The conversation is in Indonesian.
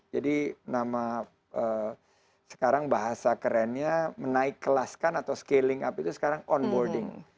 jadi nama sekarang bahasa kerennya menaik kelaskan atau scaling up itu sekarang onboarding